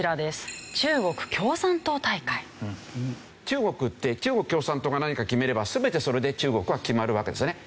中国って中国共産党が何か決めれば全てそれで中国は決まるわけですよね。